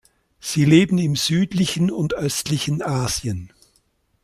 Sie leben im südlichen und östlichen Asien.